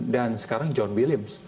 dan sekarang john williams